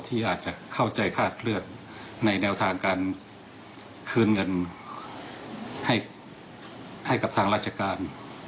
ที่อาจจะเข้าใจคาดเคลื่อนในแนวทางการคืนเงินให้กับทางราชการ